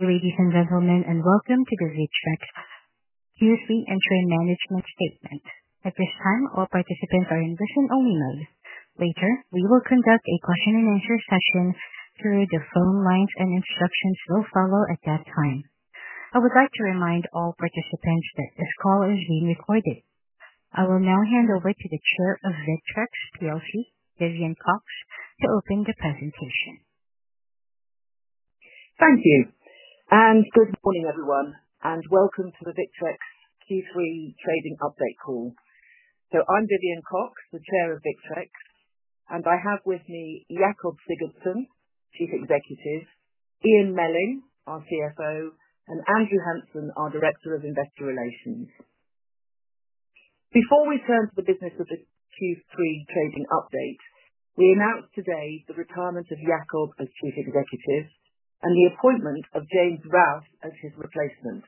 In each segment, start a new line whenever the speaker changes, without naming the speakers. Good day, ladies and gentlemen, and welcome to the Zurchex QC Entry Management Statement. At this time, all participants are in listen only mode. Later, we will conduct a question and answer session through the phone lines and instructions will follow at that time. I would like to remind all participants that this call is being recorded. I will now hand over to the chair of Vetrex plc, Vivian Cox, to open the presentation. Thank you, and good morning, everyone, and welcome to the Viterex q three trading update call. So I'm Vivian Cox, the chair of Viterex, and I have with me Jakob Sigurdsson, chief executive, Ian Mellin, our CFO, and Andrew Hanson, our director of investor relations. Before we turn to the business of the q three trading update, we announced today the retirement of Jakob as chief executive and the appointment of James Ralph as his replacement.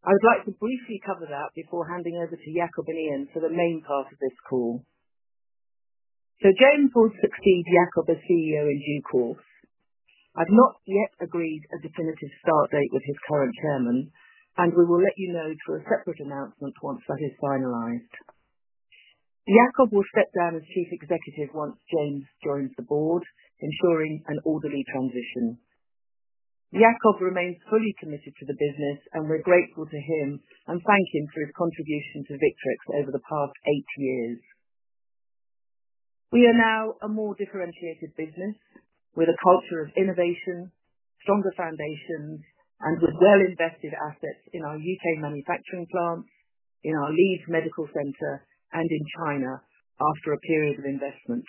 I would like to briefly cover that before handing over to Jakob and Ian for the main part of this call. So James will succeed Jakob as CEO in due course. I've not yet agreed a definitive start date with his current chairman, and we will let you know through a separate announcement once that is finalized. Jakob will step down as chief executive once James joins the board, ensuring an orderly transition. Jakob remains fully committed to the business, and we're grateful to him and thank him for his contribution to Victrex over the past eight years. We are now a more differentiated business with a culture of innovation, stronger foundations, and with well invested assets in our UK manufacturing plants, in our lead medical center, and in China after a period of investment.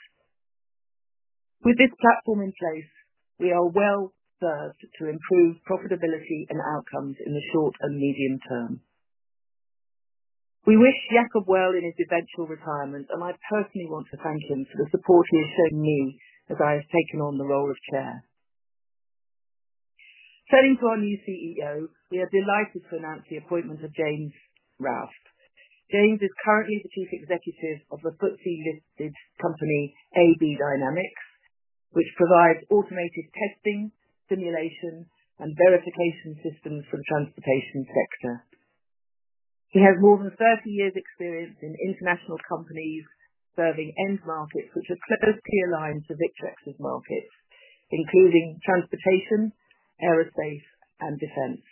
With this platform in place, we are well served to improve profitability and outcomes in the short and medium term. We wish Jacob well in his eventual retirement, and I personally want to thank him for the support he has shown me as I have taken on the role of chair. Turning to our new CEO, we are delighted to announce the appointment of James Raft. James is currently the chief executive of the FTSE listed company, AB Dynamics, which provides automated testing, simulation, and verification systems for the transportation sector. He has more than thirty years experience in international companies serving end markets, which are closely aligned to Victrex's market, including transportation, aerospace, and defense.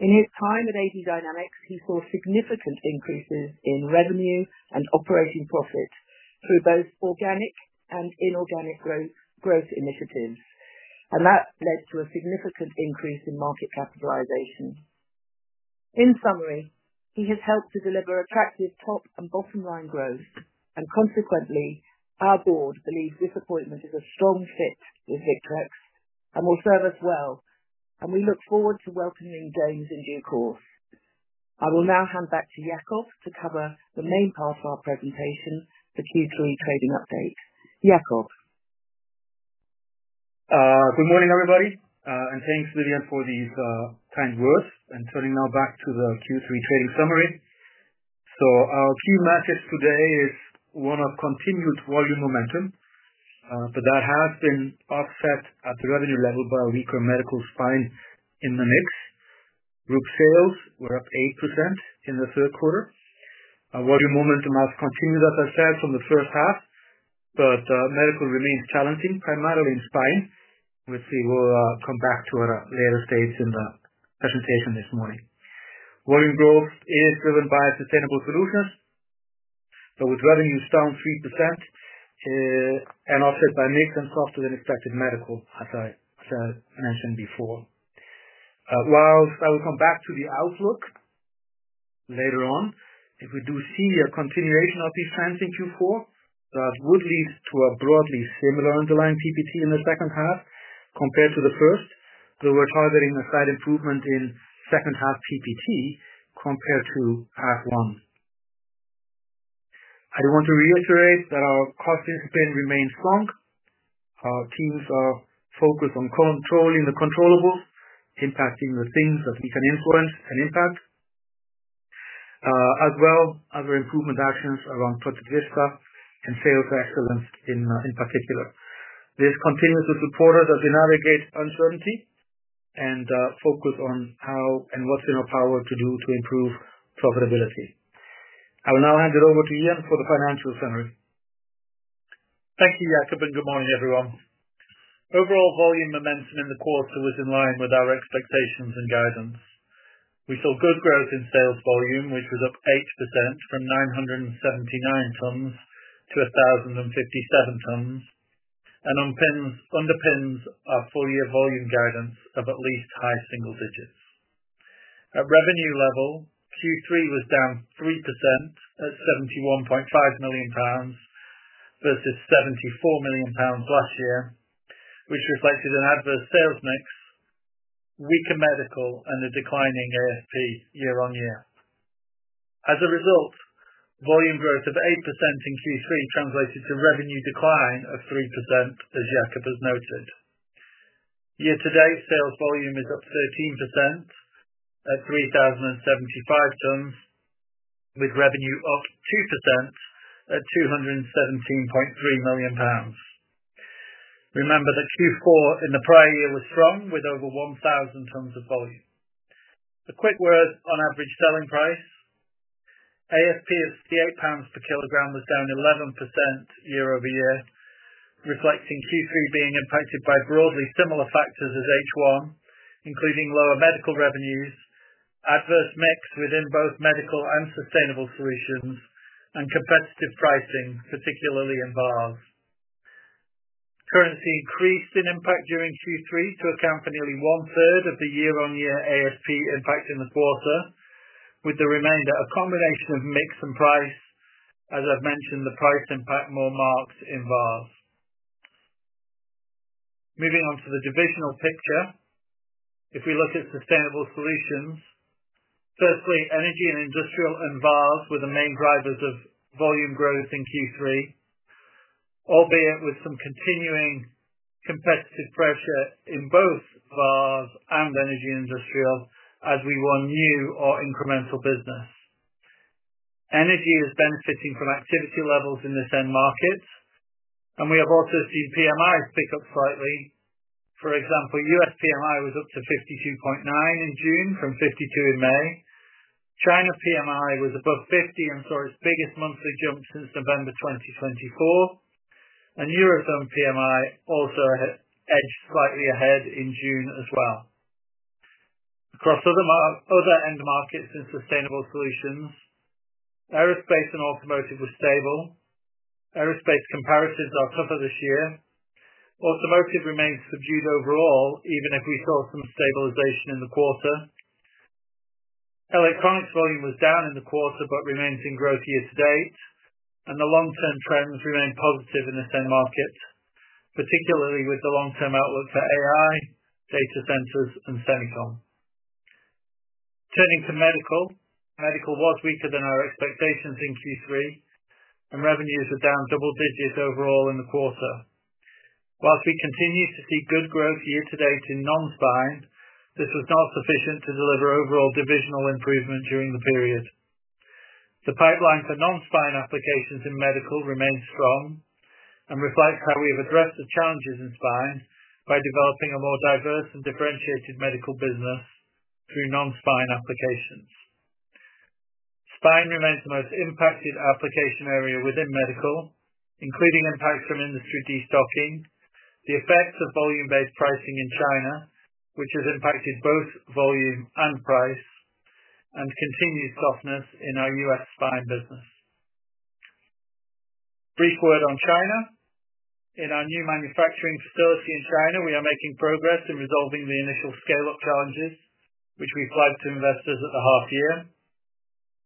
In his time at AD Dynamics, he saw significant increases in revenue and operating profit through both organic and inorganic growth growth initiatives. And that led to a significant increase in market capitalization. In summary, he has helped to deliver attractive top and bottom line growth. And consequently, our board believes this appointment is a strong fit with VICTREX and will serve us well, and we look forward to welcoming James in due course. I will now hand back to Jakob to cover the main part of our presentation for q three trading update. Jakob?
Good morning, everybody. And thanks, Vivian, for these kind words. And turning now back to the q three trading summary. So our key message today is one of continued volume momentum, but that has been offset at the revenue level by weaker medical spine in the mix. Group sales were up 8% in the third quarter. Our volume momentum has continued, as I said, from the first half, but medical remains challenging, primarily in spine. Let's see. We'll come back to a later stage in the presentation this morning. Volume growth is driven by sustainable solutions, but with revenues down 3% and offset by mix and softer than expected medical as I mentioned before. Whilst I will come back to the outlook later on, if we do see a continuation of these trends in q four, that would lead to a broadly similar underlying PPT in the second half compared to the first. Though we're targeting a slight improvement in second half PPT compared to half one. I want to reiterate that our cost discipline remains strong. Our teams are focused on controlling the controllable, impacting the things that we can influence and impact, as well as our improvement actions around Protivista and sales excellence in in particular. This continues to support us as we navigate uncertainty and focus on how and what's in our power to do to improve profitability. I will now hand it over to Ian for the financial summary.
Thank you, Jacob, and good morning, everyone. Overall volume momentum in the quarter was in line with our expectations and guidance. We saw good growth in sales volume, which was up 8% from 979 tons to a 57 tons and underpins underpins our full year volume guidance of at least high single digits. At revenue level, q three was down 3% at £71,500,000 versus £74,000,000 last year, which reflected an adverse sales mix, weaker medical, and a declining ASP year on year. As a result, volume growth of 8% in q three translated to revenue decline of 3% as Jacob has noted. Year to date, sales volume is up 13% at 3,075 tons with revenue up 2% at £217,300,000. Remember that q four in the prior year was strong with over 1,000 tons of volume. A quick word on average selling price. ASP of the eight pounds per kilogram was down 11% year over year, reflecting q three being impacted by broadly similar factors as h one, including lower medical revenues, adverse mix within both medical and sustainable solutions, and competitive pricing, particularly in bars. Currency increased in impact during q three to account for nearly one third of the year on year ASP impact in the quarter with the remainder a combination of mix and price, as I've mentioned, the price impact more marks in bars. Moving on to the divisional picture, if we look at sustainable solutions, firstly, energy and industrial and bars were the main drivers of volume growth in q three, albeit with some continuing competitive pressure in both bars and energy and industrial as we won new or incremental business. Energy is benefiting from activity levels in this end markets, and we have also seen PMI pick up slightly. For example, US PMI was up to 52.9 in June from 52 in May. China PMI was above 50 and saw its biggest monthly jump since November 2024. And Eurozone PMI also had edged slightly ahead in June as well. Across other other end markets in sustainable solutions, aerospace and automotive were stable. Aerospace comparisons are tougher this year. Automotive remains subdued overall even if we saw some stabilization in the quarter. Electronics volume was down in the quarter but remains in growth year to date, and the long term trends remain positive in this end market, particularly with the long term outlook for AI, data centers, and semicon. Turning to medical. Medical was weaker than our expectations in q three, and revenues were down double digits overall in the quarter. Whilst we continue to see good growth year to date in non spine, this was not sufficient to deliver overall divisional improvement during the period. The pipeline for non spine applications in medical remains strong and reflects how we have addressed the challenges in spine by developing a more diverse and differentiated medical business through non spine applications. Spine remains the most impacted application area within medical, including impacts from industry destocking, the effects of volume based pricing in China, which has impacted both volume and price, and continued softness in our US spine business. Brief word on China. In our new manufacturing facility in China, we are making progress in resolving the initial scale up challenges, which we applied to investors at the half year.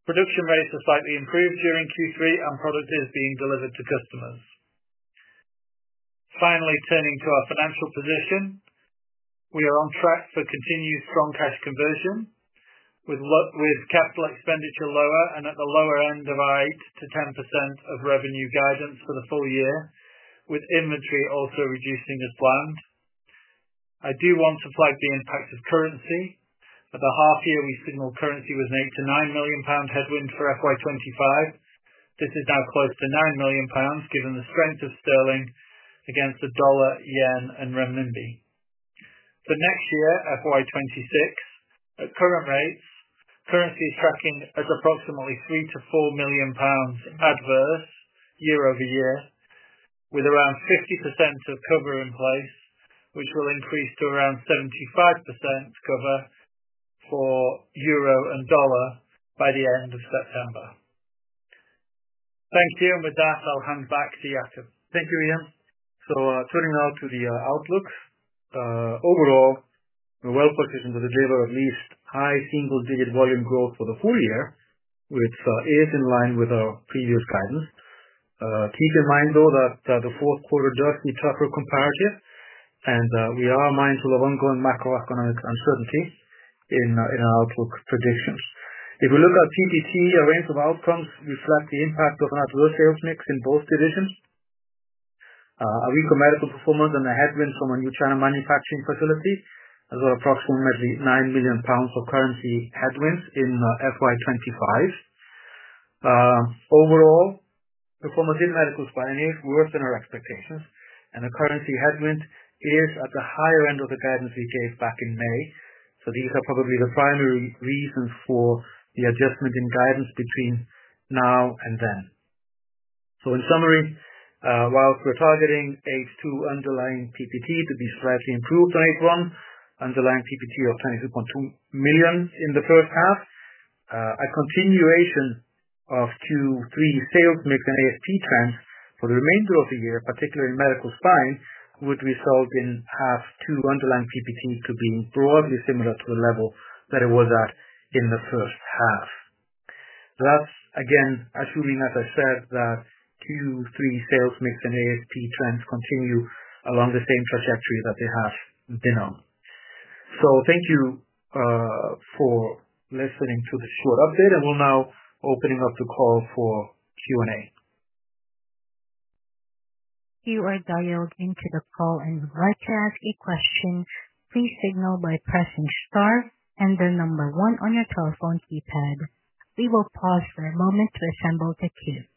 Production rates have slightly improved during q three and product is being delivered to customers. Finally, turning to our financial position, we are on track for continued strong cash conversion with with capital expenditure lower and at the lower end of our eight to 10% of revenue guidance for the full year with inventory also reducing as planned. I do want to flag the impact of currency. At the half year, we signaled currency was made to £9,000,000 headwind for f y twenty five. This is now close to £9,000,000 given the strength of sterling against the dollar, yen, and renminbi. For next year, f y twenty six, at current rates, currency tracking is approximately 3 to £4,000,000 adverse year over year with around 50% of cover in place, which will increase to around 75% cover for euro and dollar by the September. Thank you. And with that, I'll hand back to Jakob.
Thank you, Ian. So turning now to the outlook. Overall, we're well positioned to deliver at least high single digit volume growth for the full year, which is in line with our previous guidance. Keep in mind though that the fourth quarter does need tougher comparison, and we are mindful of ongoing macroeconomic uncertainty in in our outlook predictions. If we look at PGT, a range of outcomes reflect the impact of an adverse sales mix in both divisions. A weaker medical performance and the headwinds from a new China manufacturing facility, as well approximately £9,000,000 of currency headwinds in FY '25. Overall, performance in medicals by any worse than our expectations, and the currency headwind is at the higher end of the guidance we gave back in May. So these are probably the primary reasons for the adjustment in guidance between now and then. So in summary, while we're targeting h two underlying PPT to be slightly improved on h one, Underlying PPT of 22,200,000.0 in the first half. A continuation of two three sales mix and ASP trends for the remainder of the year, particularly in medical spine, would result in half two underlying PPT to being broadly similar to the level that it was at in the first half. That's, again, assuming as I said that q three sales mix and ASP trends continue along the same trajectory that they have been on. So thank you for listening to the short update, and we're now opening up the call for q and a.
You are dialed into the call and would like to ask a question, please signal by pressing star and the number one on your telephone keypad. We will pause for a moment to assemble the queue.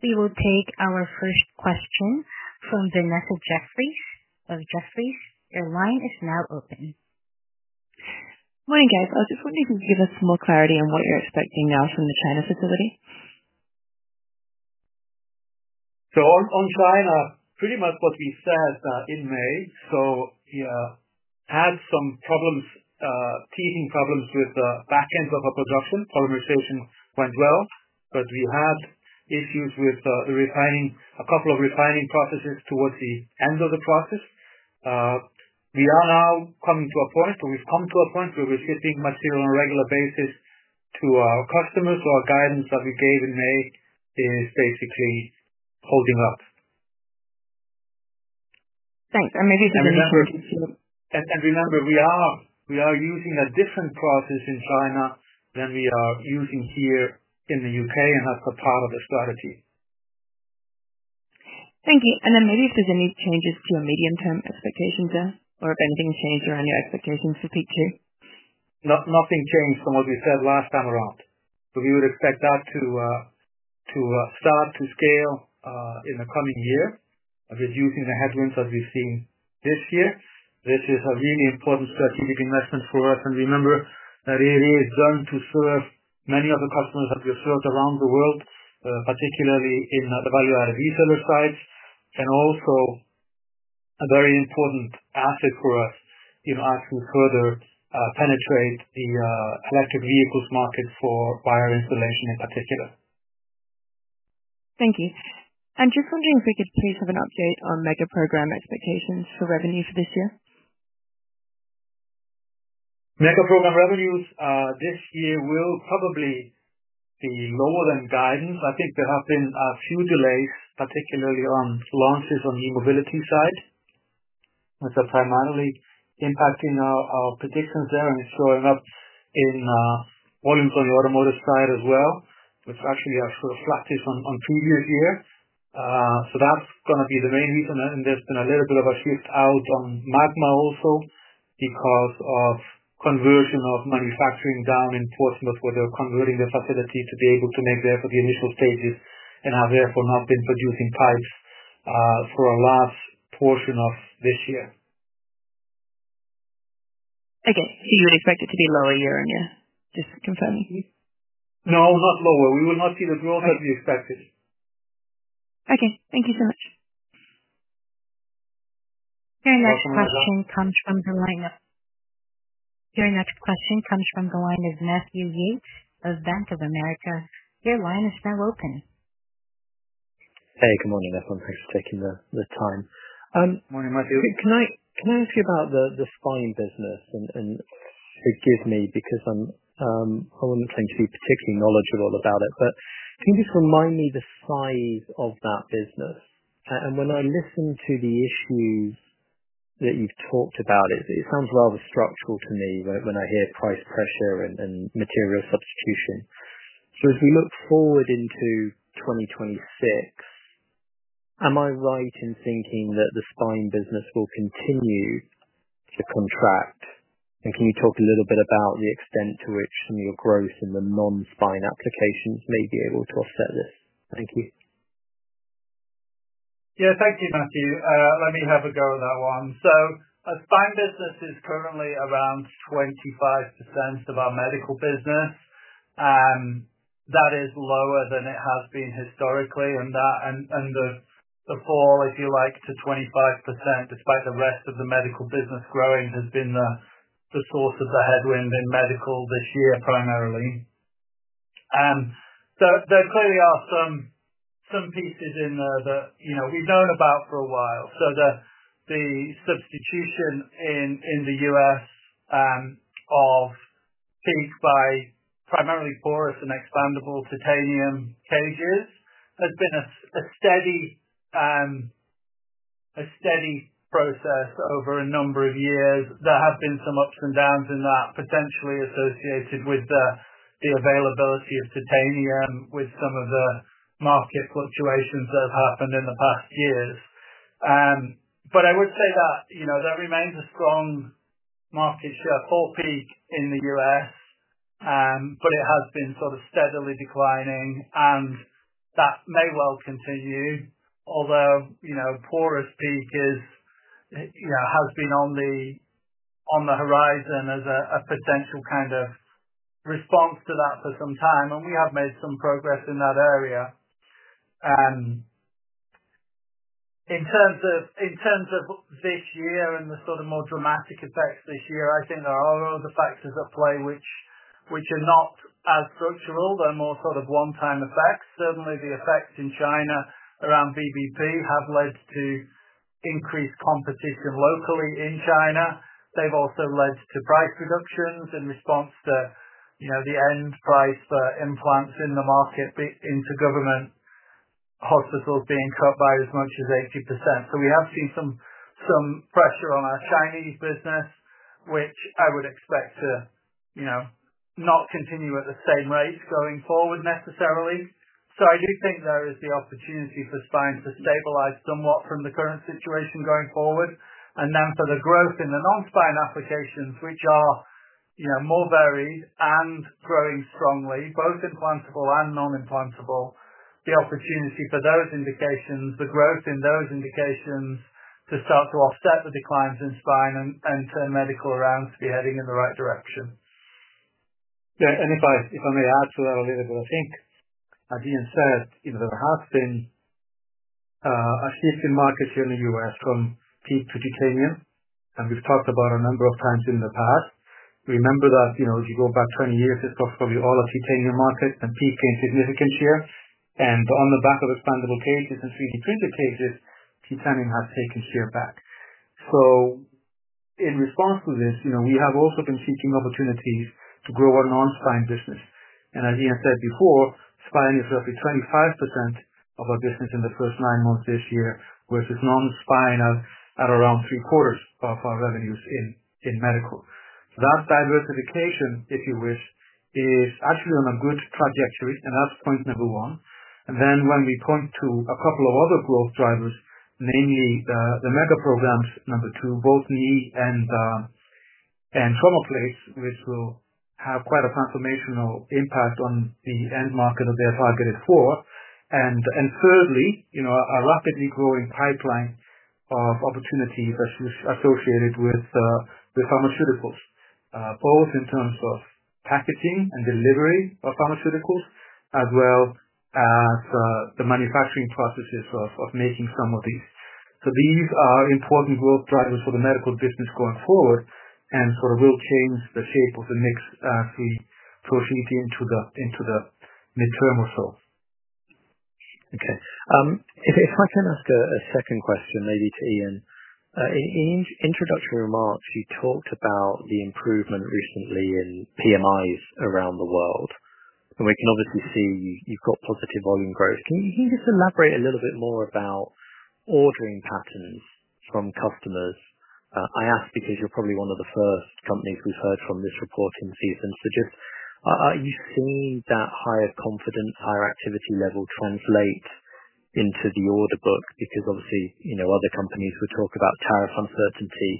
We will take our first question from Vanessa Jeffries of Jeffries.
Morning, guys. I was just wondering if you could give us more clarity on what you're expecting now from the China facility.
So on on China, pretty much what we said in May. So, yeah, had some problems teasing problems with the back end of our production. Polymerization went well, but we had issues with the refining a couple of refining processes towards the end of the process. We are now coming to a point, so we've come to a point where we're shipping material on a regular basis to our customers. So our guidance that we gave in May is basically holding up.
Thanks. And maybe if
there's And and remember, we are we are using a different process in China than we are using here in The UK, and that's a part of the strategy.
Thank you. And then maybe if there's any changes to your medium term expectations there, or if anything changed around your expectations for peak two?
Not nothing changed from what we said last time around. So we would expect that to to start to scale in the coming year of reducing the headwinds that we've seen this year. This is a really important strategic investment for us. And remember, that it is done to serve many of the customers that we've served around the world, particularly in the value added reseller sites, and also a very important asset for us in us to further penetrate the electric vehicles market for buyer installation in particular.
Thank you. I'm just wondering if we could please have an update on mega program expectations for revenue for this year.
Mega program revenues this year will probably be lower than guidance. I think there have been a few delays, particularly on launches on e mobility side. It's primarily impacting our our predictions there and it's showing up in volumes on the automotive side as well. It's actually actually a flattish on on previous year. So that's gonna be the main reason. And there's been a little bit of a shift out on Magma also because of conversion of manufacturing down in Smith where they're converting the facility to be able to make there for the initial stages and have therefore not been producing pipes for a last portion of this year.
Okay. So you would expect it to be lower year on year? Just confirming.
Not lower. We would not see the growth as we expected.
Okay. Thank you so much.
Next question comes from the line of your next question comes from the line of Matthew Yates of Bank of America. Your line is now open.
Hey. Good morning, everyone. Thanks for taking the the time.
Morning, Matthew.
Can can I can I ask you about the the spine business? And and forgive me because I'm I wouldn't claim to be particularly knowledgeable about it. But can you just remind me the size of that business? And when I listen to the issues that you've talked about, it it sounds rather structural to me when when I hear price pressure and and material substitution. So if we look forward into 2026, am I right in thinking that the spine business will continue to contract? And can you talk a little bit about the extent to which your growth in the non spine applications may be able to offset this? Thank you.
Yeah. Thank you, Matthew. Let me have a go with that one. So our spine business is currently around 25% of our medical business. That is lower than it has been historically, and that and and the the fall, if you like, to 25% despite the rest of the medical business growing has been the source of the headwind in medical this year primarily. And so there clearly are some some pieces in the you know, we've known about for a while. So the the substitution in in The US of peak by primarily porous and expandable titanium cages. There's been a a steady a steady process over a number of years. There have been some ups and downs in that potentially associated with the the availability of titanium with some of the market fluctuations that have happened in the past years. But I would say that, you know, that remains a strong market share for peak in The US, but it has been sort of steadily declining and that may well continue. Although, you know, porous peak is, you know, has been on the on the horizon as a a potential kind of response to that for some time, and we have made some progress in that area. In terms of in terms of this year and the sort of more dramatic effect this year, think there are all the factors at play which which are not as structural. They're more sort of one time effects. Certainly, the effects in China around BBB have led to increased competition locally in China. They've also led to price reductions in response to, you know, the end price for implants in the market into government hospitals being cut by as much as 80%. So we have seen some some pressure on our Chinese business, which I would expect to, you know, not continue at the same rate going forward necessarily. So I do think there is the opportunity for spine to stabilize somewhat from the current situation going forward. And then for the growth in the non spine applications, which are, you know, more varied and growing strongly, both implantable and non implantable, the opportunity for those indications, the growth in those indications to start to offset the declines in spine and and turn medical around to be heading in the right direction.
Yeah. And if I if I may add to that a little bit, I think, as Ian said, you know, there has been a shift in markets here in The US from peak to titanium, and we've talked about a number of times in the past. Remember that, you know, if you go back twenty years, it's probably all of titanium market and peak gain significant share. And on the back of expandable cases and three d printed cases, titanium has taken share back. So in response to this, you know, we have also been seeking opportunities to grow our non spine business. And as Ian said before, spine is roughly 25% of our business in the first nine months this year versus non spine at around three quarters of our revenues in in medical. That diversification, if you wish, is actually on a good trajectory, and that's point number one. And then when we point to a couple of other growth drivers, namely the the mega programs, number two, both knee and and trauma plates, which will have quite a transformational impact on the end market that they're targeted for. And and thirdly, you know, a rapidly growing pipeline of opportunity that's associated with the pharmaceuticals, both in terms of packaging and delivery of pharmaceuticals, as well as the manufacturing processes of of making some of these. So these are important growth drivers for the medical business going forward and sort of will change the shape of the mix as we proceed into the into the midterm or so.
Okay. If if I can ask a a second question maybe to Ian. In in introductory remarks, you talked about the improvement recently in PMIs around the world. And we can obviously see you've got positive volume growth. Can you can you just elaborate a little bit more about ordering patterns from customers? I asked because you're probably one of the first companies we've heard from this reporting season. So just are you seeing that higher confidence, higher activity level translate into the order book? Because, obviously, you know, other companies would talk about tariff uncertainty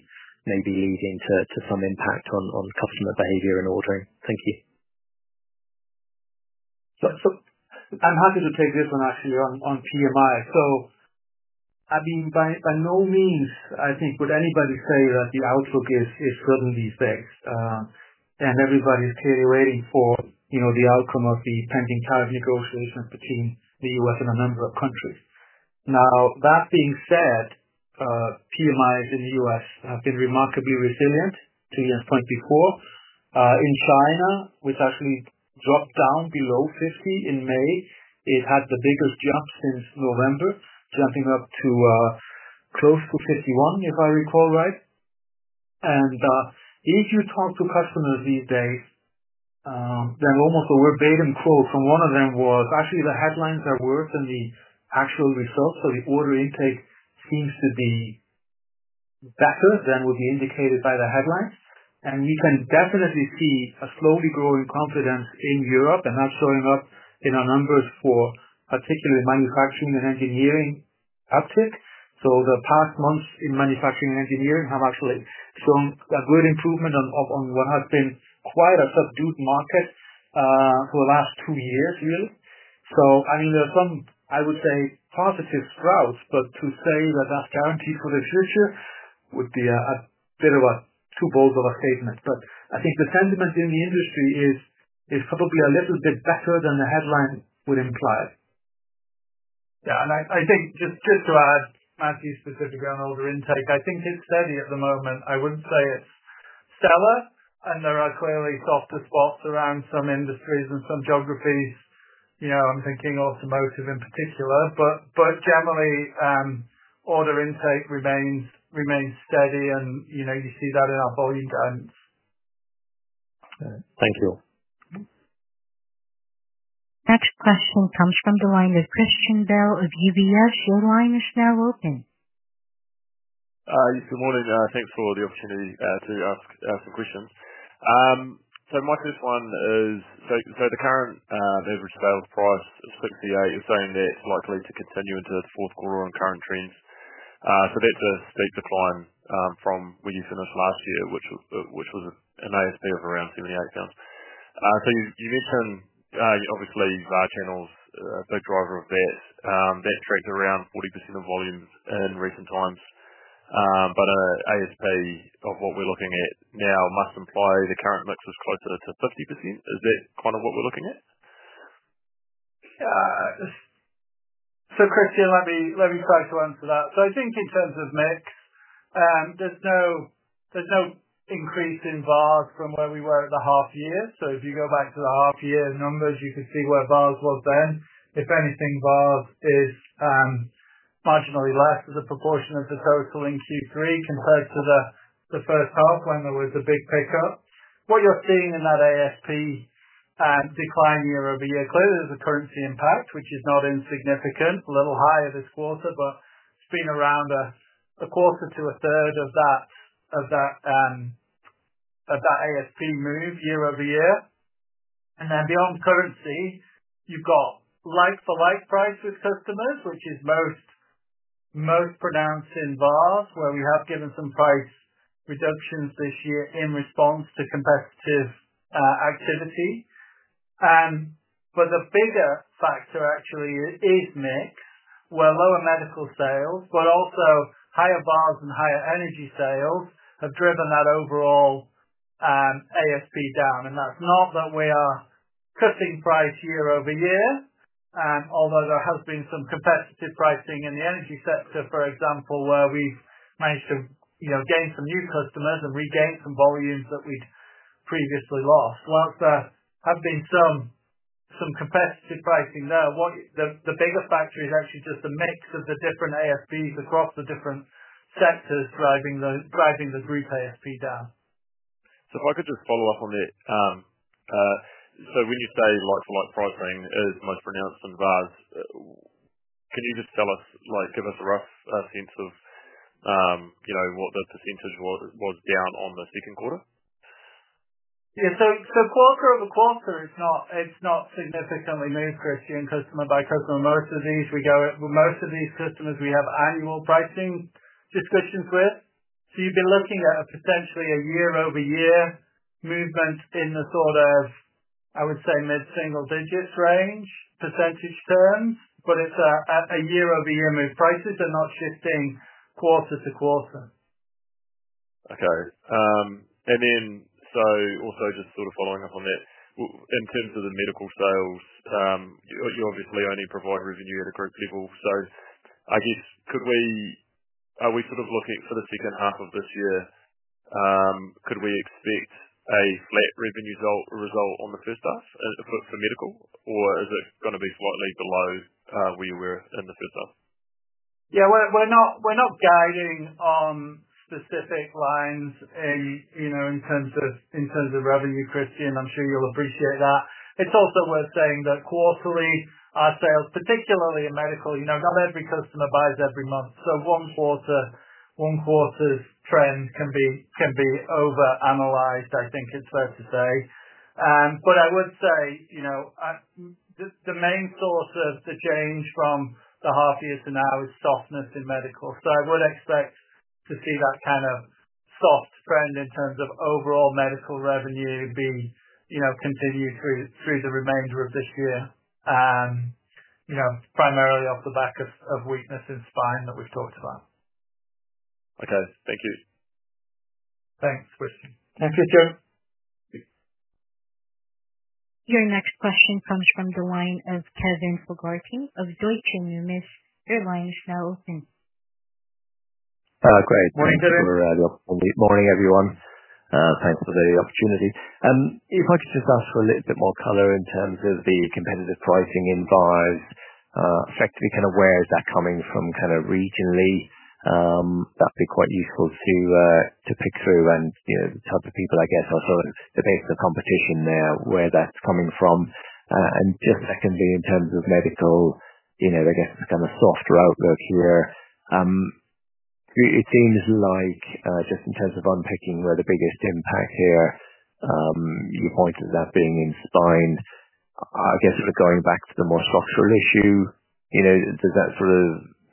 maybe leading to to some impact on on customer behavior and ordering. Thank you.
So so I'm happy to take this one actually on on PMI. So I mean, by by no means, I think, would anybody say that the outlook is is certainly based. And everybody is clearly waiting for, you know, the outcome of the pending tariff negotiations between The US and a number of countries. Now that being said, PMI in The US have been remarkably resilient to your point before. In China, which actually dropped down below 50 in May, it had the biggest jump since November, jumping up to close to 51, if I recall. Right? And if you talk to customers these days, then almost a verbatim quote from one of them was actually, the headlines are worse than the actual results, so the order intake seems to be better than what we indicated by the headlines. And we can definitely see a slowly growing confidence in Europe and not showing up in our numbers for particularly manufacturing and engineering uptick. So the past months in manufacturing and engineering have actually shown a good improvement on on on what has been quite a subdued market for the last two years, really. So, I mean, there are some, I would say, positive sprouts, but to say that that's guaranteed for the future would be a bit of a two bowls of a statement. But I think the sentiment in the industry is is probably a little bit better than the headline would imply.
Yeah. And I I think just just to add, Matthew, specifically on order intake, I think it's steady at the moment. I wouldn't say it's stellar, and there are clearly softer spots around some industries and some geographies. You know, I'm thinking automotive in particular, but but generally, order intake remains remains steady and, you know, you see that in our volume guidance. Thank you. Next
question comes from the line of Christian Bell of UBS. Your line is now open.
Good morning. Thanks for the opportunity to ask ask some questions. So my first one is so so the current average sales price of 68, you're saying that it's likely to continue into the fourth quarter on current trends. So that's a state decline from when you finished last year, which was which was an ASP of around £78. So you you mentioned, obviously, the channels a big driver of this. They tracked around 40% of volumes in recent times. But I as pay of what we're looking at now must imply the current mix is closer to 50%. Is that kind of what we're looking at?
So, Christian, let me let me try to answer that. So I think in terms of mix, there's no there's no increase in bars from where we were at the half year. So if you go back to the half year numbers, you could see where bars was then. If anything, bars is marginally less as a proportion of the total in q three compared to the the first half when there was a big pickup. What you're seeing in that ASP decline year over year, clearly, there's a currency impact, which is not insignificant, a little higher this quarter, but it's been around a a quarter to a third of that of that of that ASP move year over year. And then beyond currency, you've got like for like price with customers, which is most most pronounced in bars where we have given some price reductions this year in response to competitive activity. But the bigger factor actually is mix, where lower medical sales, but also higher bars and higher energy sales have driven that overall ASP down. And that's not that we are cutting price year over year. Although there has been some competitive pricing in the energy sector, for example, where we've managed to, you know, gain some new customers and regain some volumes that we'd previously lost. Well, have been some some competitive pricing there. What the the bigger factor is actually just the mix of the different ASPs across the different sectors driving the driving the group ASP down.
So if I could just follow-up on it. So when you say like for like pricing is most pronounced in bars, can you just tell us, like, give us a rough sense of, you know, what the percentage was was down on the second quarter?
Yeah. So so quarter over quarter is not it's not significantly moved, Christian, customer by customer. Most of these, we go most of these customers, we have annual pricing discussions with. So you've been looking at potentially a year over year movement in the sort of, I would say, single digits range, percentage terms, but it's a a year over year move prices and not shifting quarter to quarter.
Okay. And then so also just sort of following up on that. In terms of the medical sales, you obviously only provide revenue at a group level. So I guess, we are we sort of looking for the second half of this year? Could we expect a flat revenue result result on the first half for for medical? Or is it gonna be slightly below where you were in the first half?
Yeah. We're we're not we're not guiding on specific lines and, you know, in terms of in terms of revenue, Christian. I'm sure you'll appreciate that. It's also worth saying that quarterly sales, particularly in medical, you know, not every customer buys every month. So one quarter one quarter's trend can be can be overanalyzed, I think it's fair to say. But I would say, you know, the the main source of the change from the half years to now is softness in medical. So I would expect to see that kind of soft trend in terms of overall medical revenue being, you know, continue through through the remainder of this year, you know, primarily off the back of of weakness in spine that we've talked about.
Okay. Thank you.
Thanks, Christian. Thank you, Joe.
Your next question comes from the line of Kevin Fogarty of Deutsche Numis. Your line is now open.
Great.
Morning, Kevin.
Morning, everyone. Thanks for the opportunity. If I could just ask for a little bit more color in terms of the competitive pricing in bars, effectively, kind of where is that coming from kind of regionally? That'd be quite useful to to pick through and, you know, talk to people, I guess, also, the base of competition there, where that's coming from. And just secondly, in terms of medical, you know, I guess, kind of softer outlook here. It seems like just in terms of unpicking where the biggest impact here, you pointed that being in spine. I guess, we're going back to the more structural issue, you know, does that sort of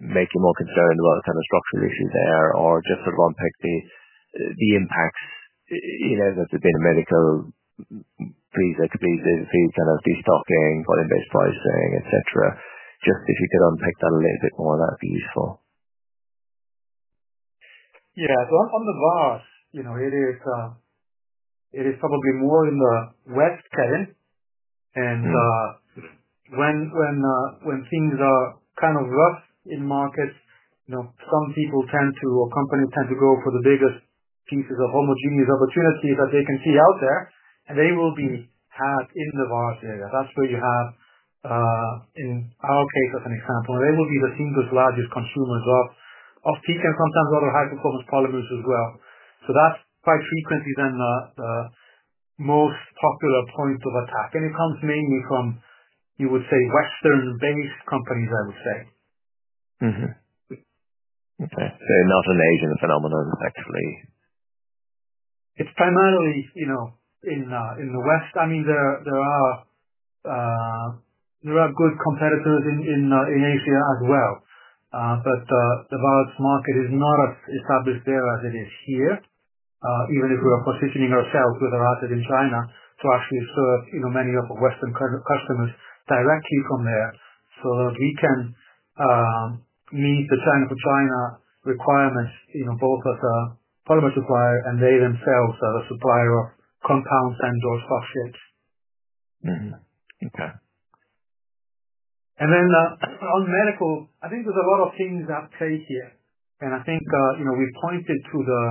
make you more concerned about kind of structural issues there or just sort of unpack the the impacts, you know, that's a bit of medical fees that could be the fees kind of destocking, volume based pricing, etcetera. Just if you could unpack that a little bit more, that'd be useful.
Yeah. So on on the bars, you know, it is it is probably more in the West, Kevin. And when when when things are kind of rough in markets, you know, some people tend to or companies tend to go for the biggest pieces of homogeneous opportunity that they can see out there, and they will be had in the vast area. That's where you have in our case as an example. They will be the single largest consumers of of peak and sometimes other high performance polymers as well. So that's by frequency then the the most popular point of attack. And it comes mainly from, you would say, western based companies, I would say.
Mhmm. Okay.
So not an Asian phenomenon, actually. It's primarily, you know, in in the West. I mean, there there are there are good competitors in in in Asia as well. But the balance market is not as established there as it is here, even if we are positioning ourselves with our asset in China to actually serve, you know, many of our Western kind of customers directly from there. So that we can meet the China for China requirements, you know, both of the polymer supplier and they themselves are the supplier of compounds and or soft chips.
Mhmm. Okay.
And then on medical, I think there's a lot of things at play here. And I think, you know, we pointed to the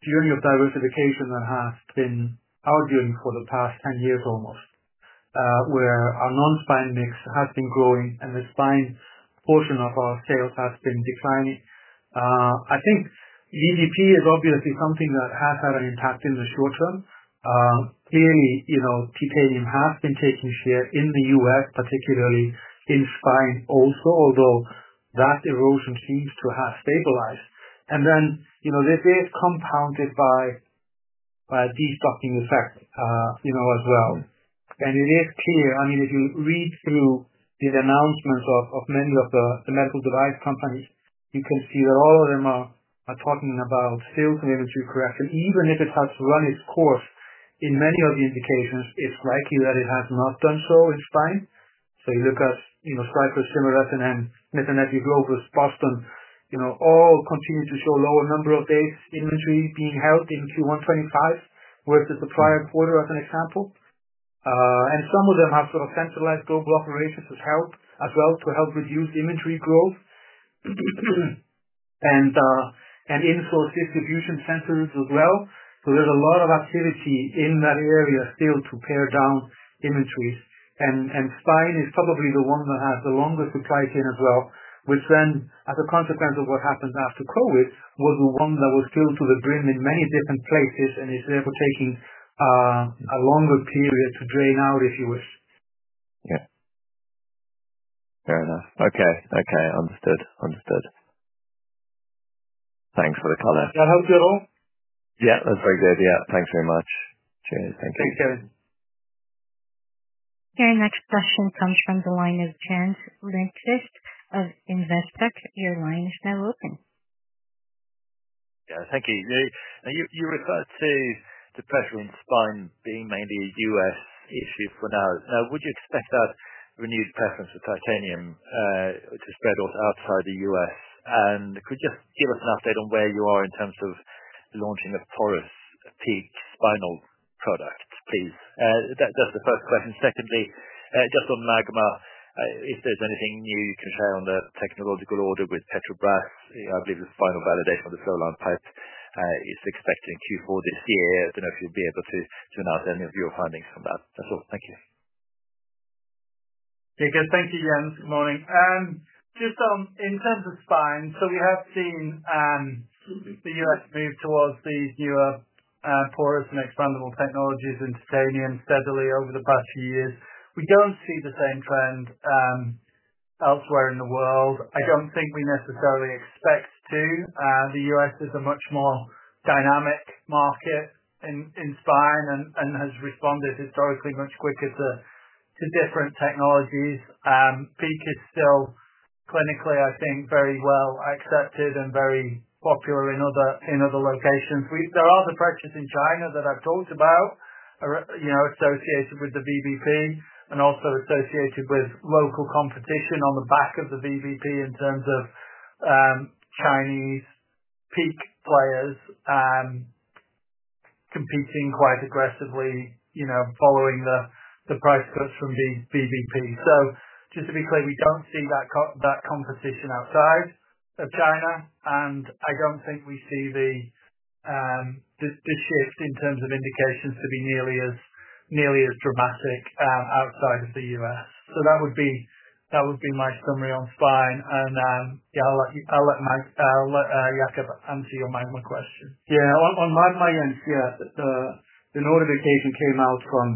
journey of diversification that has been arguing for the past ten years almost, where our non spine mix has been growing and the spine portion of our sales has been declining. I think GDP is obviously something that has had an impact in the short term. Clearly, you know, titanium has been taking share in The US, particularly in spine also, although that erosion seems to have stabilized. And then, you know, they did compounded by by destocking effect, you know, as well. And it is clear. I mean, if you read through these announcements of of many of the the medical device companies, you can see that all of them are are talking about sales and everything correct. And even if it has run its course in many of the indications, it's likely that it has not done so in spine. So you look at, you know, Cyprus, similar to SNM, and then as you go over Boston, you know, all continue to show lower number of days, inventory being held in q one twenty five versus the prior quarter as an example. And some of them have sort of centralized global operations as help as well to help reduce inventory growth and and in source distribution centers as well. So there's a lot of activity in that area still to pare down inventories. And and spine is probably the one that has the longest supply chain as well, which then, as a consequence of what happens after COVID, was the one that was still to the brim in many different places and is therefore taking a longer period to drain out if you wish.
Yeah. Fair enough. Okay. Okay. Understood. Understood. Thanks for the color.
That helps you at all?
Yeah. That's very good. Yeah. Thanks very much. Cheers. Thank you.
Thanks, Kevin. Your next question comes from the line of James Linksys of Investec. Your line is now open.
Yeah. Thank you. You you you referred to the pressure in spine being mainly a US issue for now. Now would you expect that renewed preference of titanium to spread out outside The US? And could you just give us an update on where you are in terms of launching a porous PEEK spinal product, please? That that's the first question. Secondly, just on Magma, if there's anything new you can share on the technological order with Petrobras. I believe the final validation of the Solan pipe is expected in q four this year. I don't know if you'll be able to turn out any of your findings from that. That's all. Thank you.
Yeah. Good. Thank you, Jens. Good morning. Just in terms of spine, so we have seen The US move towards the newer porous and expandable technologies in titanium steadily over the past few years. We don't see the same trend elsewhere in the world. I don't think we necessarily expect to. The US is a much more dynamic market in in spine and and has responded historically much quicker to to different technologies. Peak is still clinically, I think, very well accepted and very popular in other in other locations. We there are other practice in China that I've talked about, you know, associated with the VBP and also associated with local competition on the back of the VBP in terms of Chinese peak players competing quite aggressively, you know, following the the price cuts from the VBP. So just to be clear, we don't see that that competition outside of China, and I don't think we see the the shift in terms of indications to be nearly as nearly as dramatic outside of The US. So that would be that would be my summary on spine. And, yeah, I'll let you I'll let Mike I'll let Jakob answer your my my question.
Yeah. On on my my end, yes, the notification came out from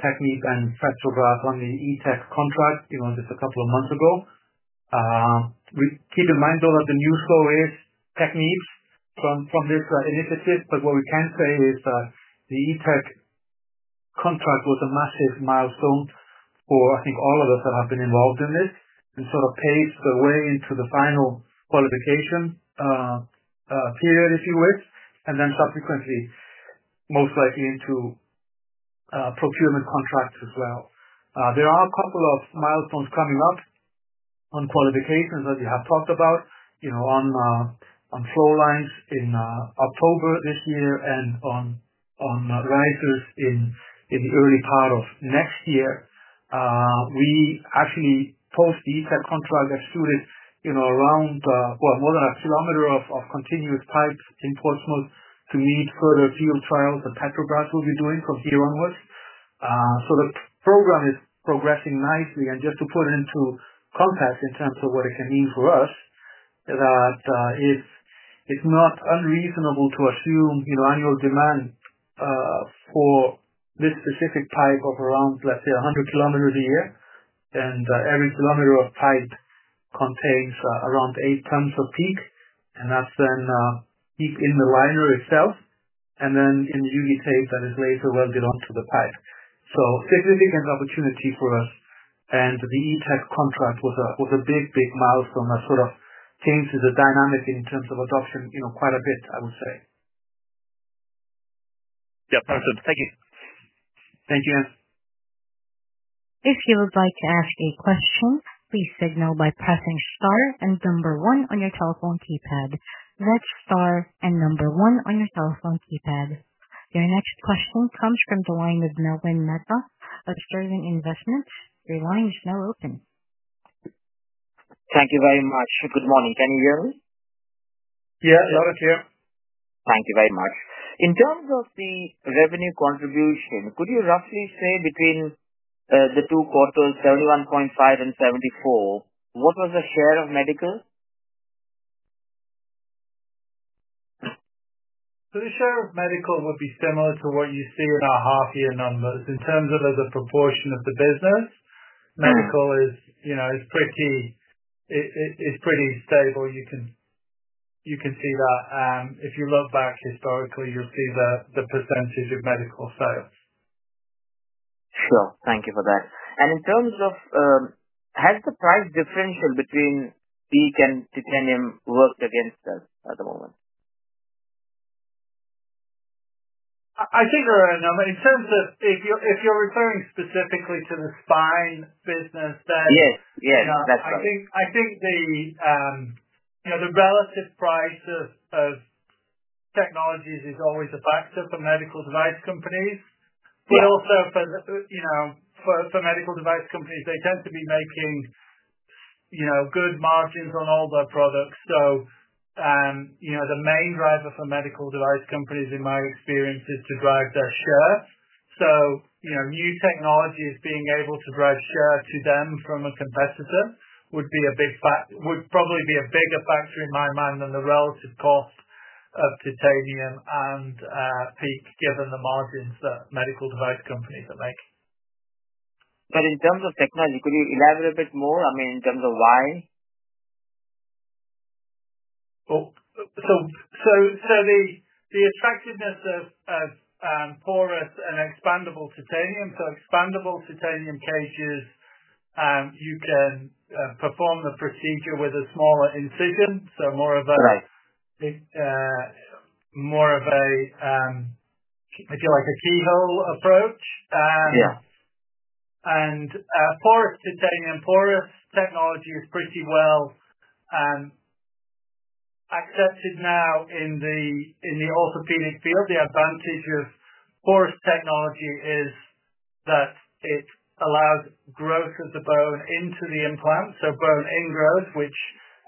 Technip and Fetchoverap on the Etech contract, you know, just a couple of months ago. We keep in mind though that the news flow is techniques from from this initiative, but what we can say is that the Etech contract was a massive milestone for, I think, all of us that have been involved in this and sort of paves the way into the final qualification period, if you wish, and then subsequently, most likely into procurement contracts as well. There are a couple of milestones coming up on qualifications that we have talked about, you know, on on floor lines in October year and on on rises in in the early part of next year. We actually post the ESAT contract extruded, you know, around well, more than a kilometer of of continuous pipes in Portsmouth to meet further field trials that Petrobras will be doing from here onwards. So the program is progressing nicely. And just to put it into context in terms of what it can mean for us, that it's it's not unreasonable to assume, you know, annual demand for this specific type of around, let's say, a 100 kilometers a year. And every kilometer of pipe contains around eight tons of peak, and that's then peak in the liner itself. And then in the UV tape that is laser welded onto the pipe. So significant opportunity for us, and the Etech contract was a was a big, big milestone that sort of changes the dynamic in terms of adoption, you know, quite a bit, I would say.
Yep. Awesome. Thank you.
Thank you, Anne.
If you would like to ask a question, please signal by pressing star and number one on your telephone keypad. Your next question comes from the line of Melvin Mehta of Sterling Investments. Your line is now open.
Thank you very much. Good morning. Can you hear me?
Yeah. I hear you.
Thank you very much. In terms of the revenue contribution, could you roughly say between the two quarters, 71.5 and 74, what was the share of medical?
So the share of medical would be similar to what you see in our half year numbers. In terms of as a proportion of the business, medical is, you know, is pretty it it it's pretty stable. You can you can see that. If you look back historically, you'll see that the percentage of medical sales.
Sure. Thank you for that. And in terms of has the price differential between peak and titanium worked against us at the moment?
I think there are a number. In terms of if you're if you're referring specifically to the spine business then Yes.
Yes. That's I
think I think the, you know, the relative price of of technologies is always a factor for medical device companies. But also for the, you know, for for medical device companies, they tend to be making, you know, good margins on all their products. So, you know, the main driver for medical device companies in my experience is to drive their share. So, you know, new technology is being able to drive share to them from a competitor would be a big fact would probably be a bigger factor in my mind than the relative cost of titanium and peak given the margins that medical device companies are making.
But in terms of technology, could you elaborate a bit more? I mean, in terms of why?
Oh, so so the the attractiveness of of porous and expandable titanium so expandable titanium cages, you can perform the procedure with a smaller incision. So more of a more of a, if you like, a keyhole approach.
Yeah.
And porous titanium porous technology is pretty well accepted now in the in the orthopedic field. The advantage of Porous technology is that it allows growth of the bone into the implant. So bone ingrowth, which,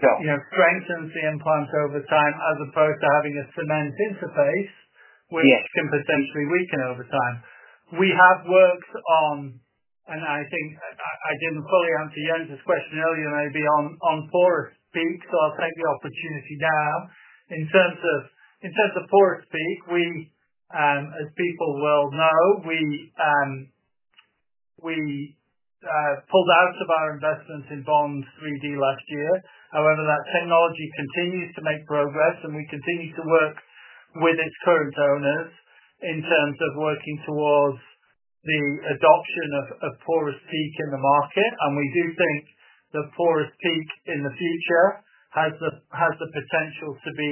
you know, strengthens the implants over time as opposed to having a cement interface, which can potentially weaken over time. We have worked on and I think I didn't fully answer Jens' question earlier, maybe on on four Peak, so I'll take the opportunity now. In terms of in terms of Forest Peak, we as people well know, we we pulled out of our investments in bonds three d last year. However, that technology continues to make progress and we continue to work with its current owners in terms of working towards the adoption of of porous peak in the market. And we do think the porous peak in the future has the has the potential to be,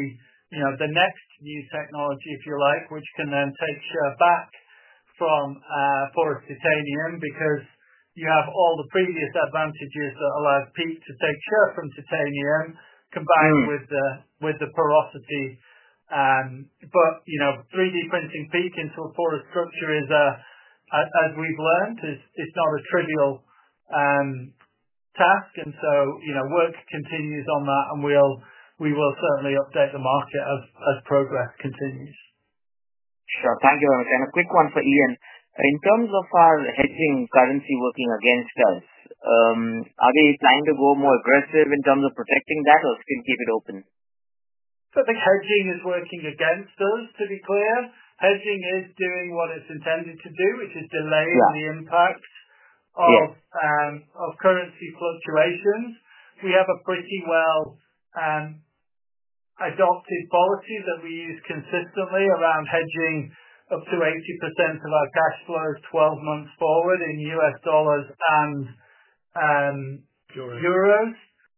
you know, the next new technology if you like, which can then take share back from porous titanium because you have all the previous advantages that allow PEEK to take share from titanium combined with the with the porosity. But, you know, three d printing PEEK into a poorer structure is a as we've learned, it's it's not a trivial task. And so, you know, work continues on that and we'll we will certainly update the market as as progress continues.
Sure. Thank you very much. And a quick one for Ian. In terms of our hedging currency working against us, are we planning to go more aggressive in terms of protecting that or still keep it open?
So the hedging is working against us, to be clear. Hedging is doing what it's intended to do, which is delaying the impact of of currency fluctuations. We have a pretty well adopted policy that we use consistently around hedging up to 80% of our cash flow twelve months forward in US dollars and Euros. Euros.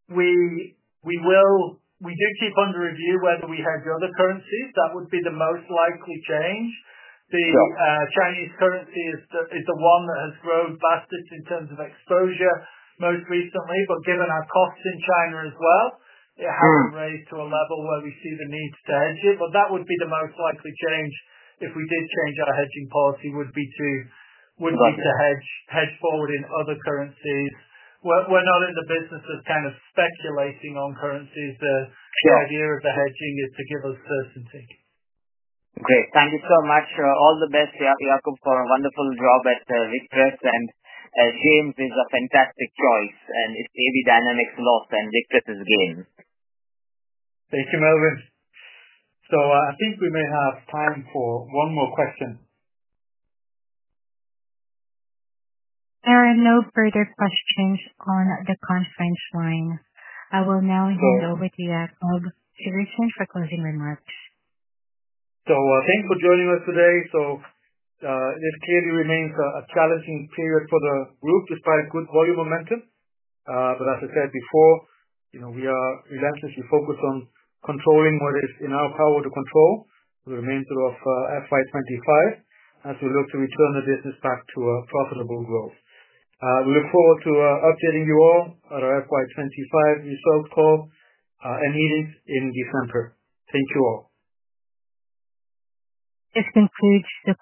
We we will we do keep on the review whether we have the other currencies. That would be the most likely change. The Chinese currency is the is the one that has grown fastest in terms of exposure most recently. But given our costs in China as well, it hasn't raised to a level where we see the need to hedge it. But that would be the most likely change if we did change our hedging policy would be to would be to hedge hedge forward in other currencies. We're we're not in the business of kind of speculating on currencies. The the idea of the hedging is to give us certainty.
Great. Thank you so much. All the best, Yakum, for a wonderful job at Express. And James is a fantastic choice. And it's maybe dynamics lost and Vicress' game.
Thank you, Melvin. So I think we may have time for one more question.
There are no further questions on the conference line. I will now hand over to you, Kob, to Richen for closing remarks.
So thanks for joining us today. So this clearly remains a challenging period for the group despite good volume momentum. But as I said before, you know, we are relentlessly focused on controlling what is in our power to control. We remain sort of f y twenty five as we look to return the business back to a profitable growth. We look forward to updating you all on our f y twenty five results call and meetings in December. Thank you all.
This concludes the